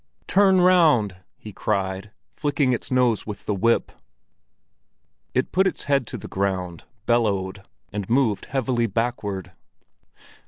"Turn round!" he cried, flicking its nose with the whip. It put its head to the ground, bellowed, and moved heavily backward.